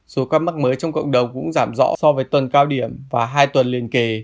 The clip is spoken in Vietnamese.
số ca mắc mới trong cộng đồng cũng giảm rõ so với tuần cao điểm và hai tuần liên kề